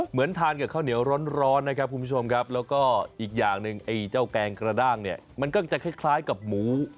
เหมือนทานกับข้าวเหนียวร้อนนะครับคุณผู้ชมครับแล้วก็อีกอย่างหนึ่งไอ้เจ้าแกงกระด้างเนี่ยมันก็จะคล้ายกับหมู